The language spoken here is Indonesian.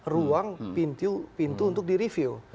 ruang pintu untuk direview